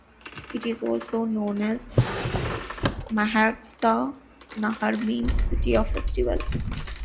It is also known as Mahoutsav-Nagar, means city of festival.